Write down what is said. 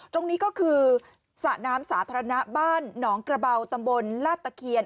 ตรงนี้ก็คือสระน้ำสาธารณะบ้านหนองกระเบาตำบลลาดตะเคียน